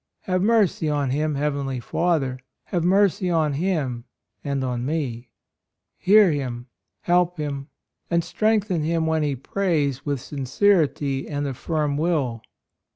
... Have mercy on him, Heavenly Father, — have mercy on him and on me ! Hear him, help him, and strengthen him when he prays with sin cerity and a firm will.